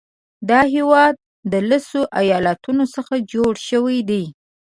دا هیواد د لسو ایالاتونو څخه جوړ شوی دی.